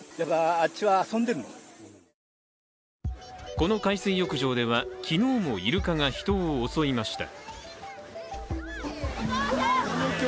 この海水浴場では、昨日もイルカが人を襲いました。